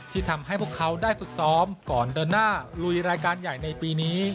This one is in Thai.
ที่ทำให้พวกเขาได้ฝึกซ้อมก่อนเดินหน้าลุยรายการใหญ่ในปีนี้